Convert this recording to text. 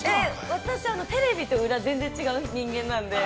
◆私は、テレビと裏全然違う人間なので。